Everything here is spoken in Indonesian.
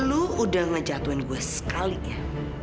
lalu udah ngejatuhin gue sekali ya